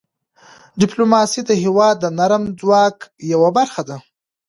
ډيپلوماسي د هېواد د نرم ځواک یوه برخه ده.